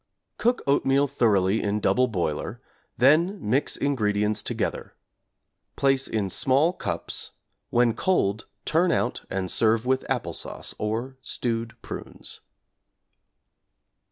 Cook oatmeal thoroughly in double boiler, then mix ingredients together; place in small cups, when cold turn out and serve with apple sauce, or stewed prunes.